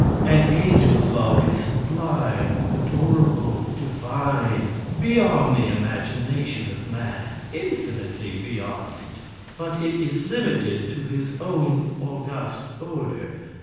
An angel's love is sublime, adorable, divine, beyond the imagination of man infinitely beyond it! But it is limited to his own august order.